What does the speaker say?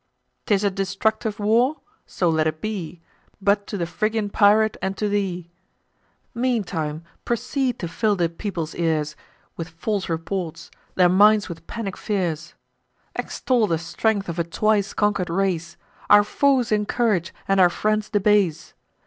'Tis a destructive war? So let it be, But to the Phrygian pirate, and to thee! Meantime proceed to fill the people's ears With false reports, their minds with panic fears: Extol the strength of a twice conquer'd race; Our foes encourage, and our friends debase.